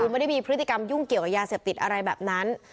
คือไม่ได้มีพฤติกรรมยุ่งเกี่ยวกับยาเสพติดอะไรแบบนั้น